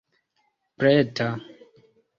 preta